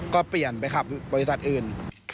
ก็เปลี่ยนไปขับบริษัทอื่น